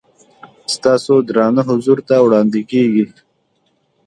ستاسو درانه حضور ته وړاندې کېږي.